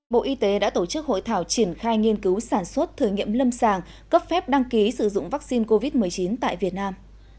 bộ y tế đã tổ chức hội thảo triển khai nghiên cứu sản xuất thử nghiệm lâm sàng cấp phép đăng ký sử dụng vaccine covid một mươi chín tại việt nam